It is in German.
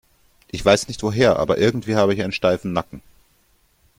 Ich weiß nicht woher, aber irgendwie habe ich einen steifen Nacken.